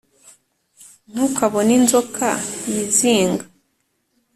ntukabone inzoka yizinga